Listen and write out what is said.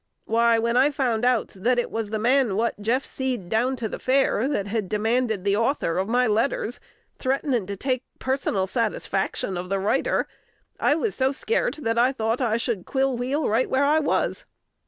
Why, when I found out that it was the man what Jeff seed down to the fair that had demanded the author of my letters, threatnin' to take personal satisfaction of the writer, I was so skart that I tho't I should quill wheel right where I was.